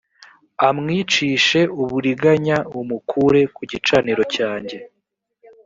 amwicishe uburiganya umukure ku gicaniro cyanjye